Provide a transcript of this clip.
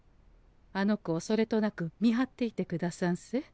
あの子をそれとなく見張っていてくださんせ。